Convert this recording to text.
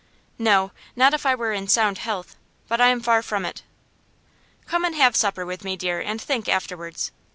'No; not if I were in sound health. But I am far from it.' 'Come and have supper with me, dear, and think afterwards.